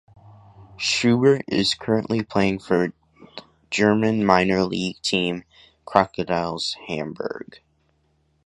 Schubert is currently playing for German minor league team, Crocodiles Hamburg.